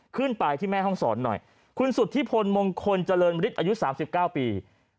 ขึ้นไปที่แม่ห้องศรหน่อยคุณสุธิพลมงคลเจริญมฤทธิอายุ๓๙ปี